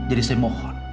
jadi saya mohon